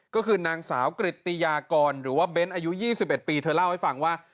ก็คือนางสาวกริตติยากรหรือว่าเบ้นอายุ๒๑ปีเธอเล่าให้ฟังว่า